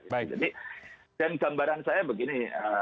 jadi dan gambaran saya begini